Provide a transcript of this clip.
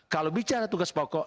kalau bicara tugas pokok